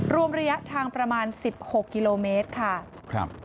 รวมระยะทางประมาณ๑๖กิโลเมตรค่ะครับ